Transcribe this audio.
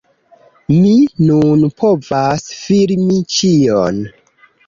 Mi nun povas filmi ĉion!